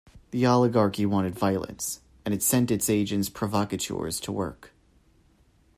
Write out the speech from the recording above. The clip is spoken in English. The Oligarchy wanted violence, and it set its agents provocateurs to work.